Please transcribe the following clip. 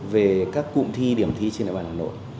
về các cụm thi điểm thi trên đại bản hà nội